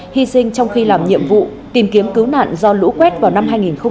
hy sinh trong khi làm nhiệm vụ tìm kiếm cứu nạn do lũ quét vào năm hai nghìn một mươi bảy